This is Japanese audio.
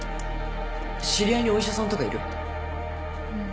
知り合いにお医者さんとかいる？